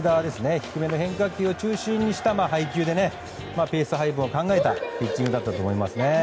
低めの変化球を中心にした配球でペース配分を考えたピッチングだったと思います。